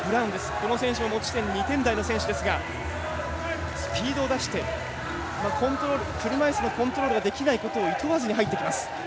この選手も持ち点２点台の選手ですがスピードを出して車いすのコントロールをできないことをいとわずに入ってきます。